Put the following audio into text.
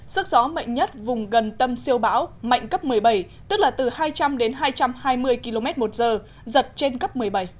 sức gió mạnh nhất vùng gần tâm siêu bão mạnh cấp một mươi bảy tức là từ hai trăm linh đến hai trăm hai mươi km một giờ giật trên cấp một mươi bảy